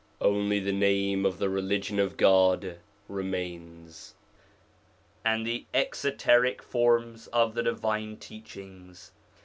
Only the name of the Religion of God remains, and the exoteric forms of the divine teachings.